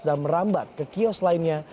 dan merambat ke kios lainnya